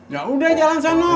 yaudah jalan sono